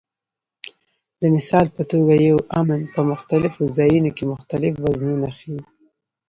د مثال په توګه یو "امن" په مختلفو ځایونو کې مختلف وزنونه ښيي.